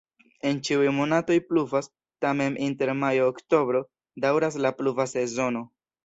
En ĉiuj monatoj pluvas, tamen inter majo-oktobro daŭras la pluva sezono.